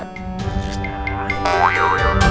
eh tuh ini saya